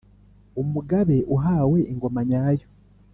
umugabe uhawe ingoma, nyayo